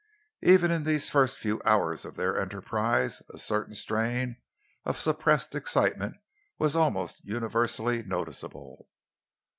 Even in these first few hours of their enterprise a certain strain of suppressed excitement was almost universally noticeable.